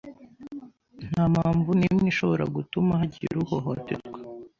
Nta mpamvu n’imwe ishobora gutuma hagira uhohoterwa